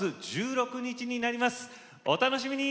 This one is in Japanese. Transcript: お楽しみに！